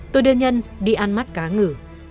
tôi đưa nhân đi ăn mắt cá ngử